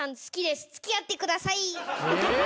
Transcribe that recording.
好きです付き合ってください。